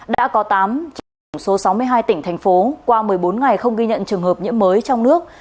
đã có tám trong tổng số sáu mươi hai tỉnh thành phố qua một mươi bốn ngày không ghi nhận trường hợp nhiễm mới trong nước